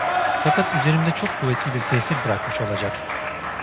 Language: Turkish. Fakat üzerimde çok kuvvetli bir tesir bırakmış olacak.